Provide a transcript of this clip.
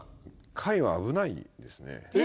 海は危ないですね。